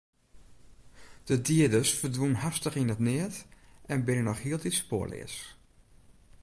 De dieders ferdwûnen hastich yn it neat en binne noch hieltyd spoarleas.